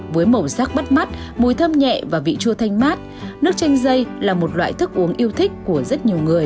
với màu sắc bắt mắt mùi thơm nhẹ và vị chua thanh mát nước chanh dây là một loại thức uống yêu thích của rất nhiều người